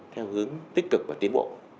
theo hướng tích cực và tiến bộ